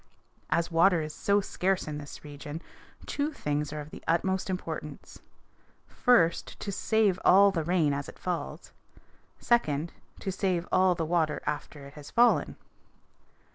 As water is so scarce in this region two things are of the utmost importance: first, to save all the rain as it falls; second, to save all the water after it has fallen.